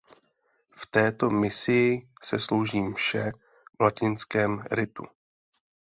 V této misii se slouží mše v latinském ritu.